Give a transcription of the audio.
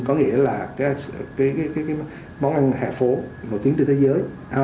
có nghĩa là cái món ăn hè phố nổi tiếng trên thế giới